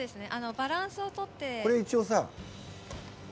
バランスをとって。